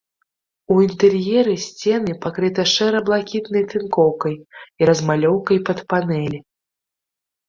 У інтэр'еры сцены пакрыты шэра-блакітнай тынкоўкай і размалёўкай пад панэлі.